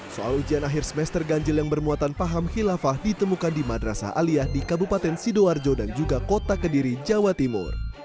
soal ujian akhir semester ganjil yang bermuatan paham khilafah ditemukan di madrasah aliyah di kabupaten sidoarjo dan juga kota kediri jawa timur